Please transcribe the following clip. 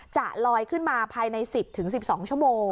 จะลอยขึ้นมาภายใน๑๐๑๒ชั่วโมง